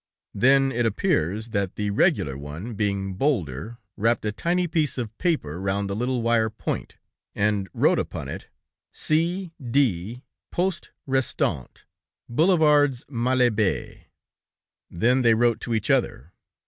Then it appears that the regular one, being bolder, wrapped a tiny piece of paper round the little wire point, and wrote upon it: C. D., Poste Restante, Boulevards, Malherbes. "Then they wrote to each other.